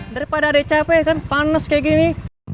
daripada ada capek kan panas kayak gini